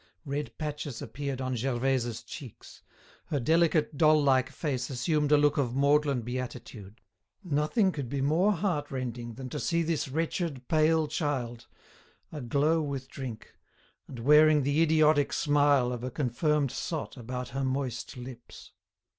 Red patches appeared on Gervaise's cheeks; her delicate doll like face assumed a look of maudlin beatitude. Nothing could be more heart rending than to see this wretched, pale child, aglow with drink and wearing the idiotic smile of a confirmed sot about her moist lips.